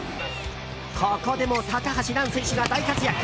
ここでも高橋藍選手が大活躍！